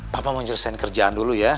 papa mau nyelesaikan kerjaan dulu ya